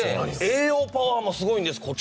栄養パワーもすごいんです。